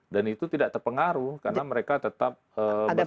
dan itu tidak terpengaruh karena mereka tetap bertani